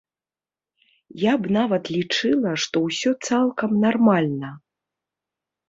Я б нават лічыла, што ўсё цалкам нармальна.